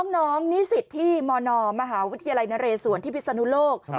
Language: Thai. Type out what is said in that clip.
น้องนี่สิทธิ์ที่มนมหาวิทยาลัยนาเลสวรรค์ที่พิศนุโลก